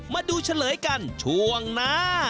มาดูเฉลยกันช่วงหน้า